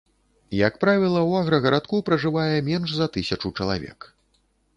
Як правіла, у аграгарадку пражывае менш за тысячу чалавек.